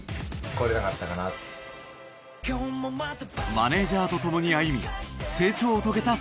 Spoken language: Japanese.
マネージャーと共に歩み成長を遂げた３年間。